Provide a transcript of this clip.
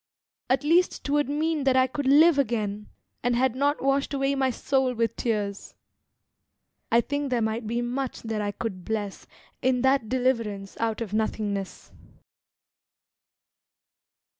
At least 'twould mean that I could live again, And had not washed away my soul with tears. I think there might be much that I could bless In that deliverance out of nothingness.